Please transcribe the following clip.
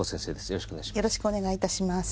よろしくお願いします。